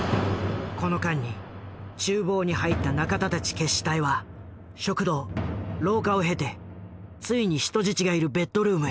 この間に厨房に入った仲田たち決死隊は食堂廊下を経てついに人質がいるベッドルームへ。